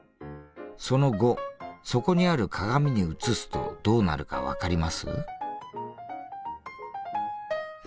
その５そこにある鏡に映すとどうなるか分かります？